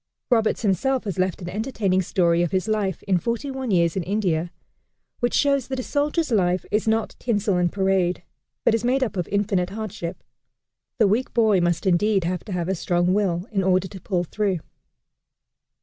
Roberts himself has left an entertaining story of his life in "Forty One Years in India," which shows that a soldier's life is not tinsel and parade, but is made up of infinite hardship. The weak boy must indeed have to have a strong will in order to pull through.